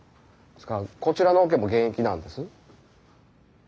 こちらの桶も現役なんです。